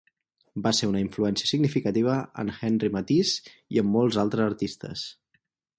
Va ser una influència significativa en Henri Matisse i en molts altres artistes.